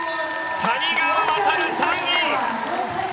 谷川航、３位！